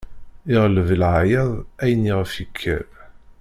Iɣleb leɛyaḍ ayen iɣef yekker.